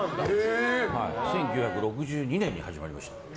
１９６２年に始まりました。